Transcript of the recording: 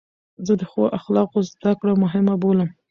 زه د ښو اخلاقو زدکړه مهمه بولم.